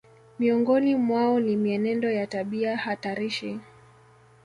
Miongoni mwao ni mienendo ya tabia hatarishi